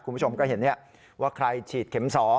คุณผู้ชมก็เห็นว่าใครฉีดเข็ม๒